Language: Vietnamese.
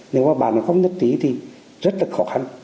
nếu mà bản không nhất trí thì rất là khó hẳn